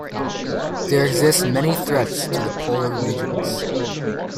There exist many threats to the polar regions.